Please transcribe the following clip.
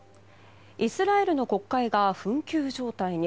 イスラエルの国会が紛糾状態に。